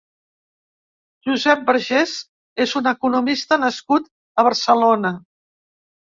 Josep Vergés és un economista nascut a Barcelona.